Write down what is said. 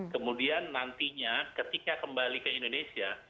kemudian nantinya ketika kembali ke indonesia